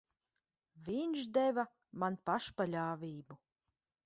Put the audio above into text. Viņš deva man pašpaļāvību.